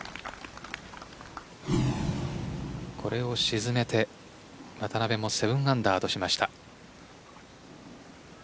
これを沈めて渡邉も７アンダーとしました。